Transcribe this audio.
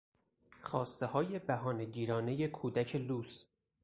خواستههای بهانه گیرانهی کودک لوس